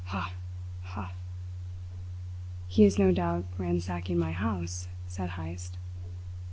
Ha, ha, ha!" "He is no doubt ransacking my house," said Heyst.